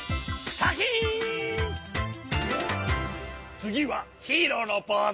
つぎはヒーローのポーズだ。